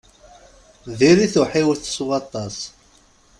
Dirit uḥiwet s waṭas.